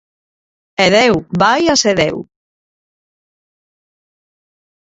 E deu, vaia se deu.